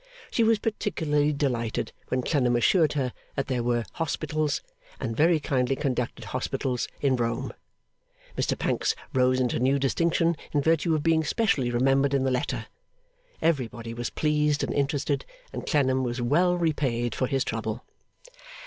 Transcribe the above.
She was particularly delighted when Clennam assured her that there were hospitals, and very kindly conducted hospitals, in Rome. Mr Pancks rose into new distinction in virtue of being specially remembered in the letter. Everybody was pleased and interested, and Clennam was well repaid for his trouble.